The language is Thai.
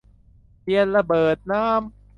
เทียนระเบิดน้ำ